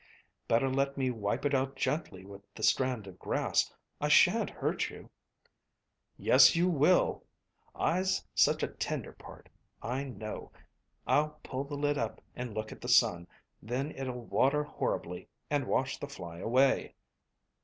"Better let me wipe it out gently with the strand of grass. I shan't hurt you." "Yes, you will. Eye's such a tender part. I know; I'll pull the lid up and look at the sun. Then it'll water horribly, and wash the fly away."